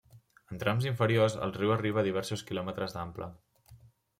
En trams inferiors, el riu arriba a diversos quilòmetres d'ample.